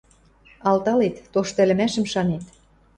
Алталет, тошты ӹлӹмӓшӹм шанет.